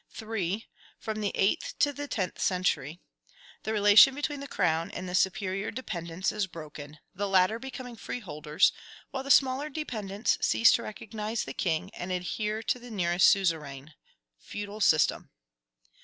3. From the eighth to the tenth century. The relation between the crown and the superior dependents is broken; the latter becoming freeholders, while the smaller dependents cease to recognize the king, and adhere to the nearest suzerain. Feudal system.